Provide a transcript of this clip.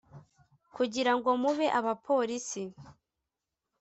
kugira ngo mube abapolisi